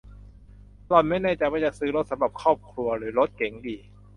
หล่อนไม่แน่ใจว่าจะซื้อรถสำหรับครอบครัวหรือรถเก๋งดี